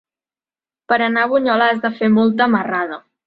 Per anar a Bunyola has de fer molta marrada.